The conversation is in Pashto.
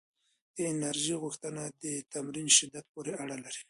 د انرژۍ غوښتنه د تمرین شدت پورې اړه لري؟